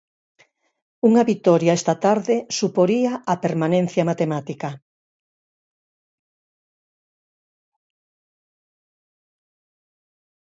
Unha vitoria esta tarde suporía a permanencia matemática.